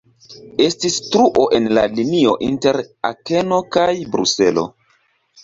Estis truo en la linio inter Akeno kaj Bruselo.